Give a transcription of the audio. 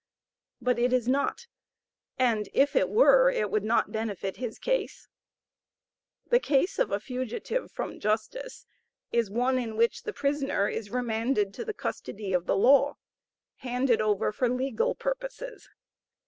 But it is not, and if it were, it would not benefit his case. The case of a fugitive from justice is one in which the prisoner is remanded to the custody of the law, handed over for legal purposes.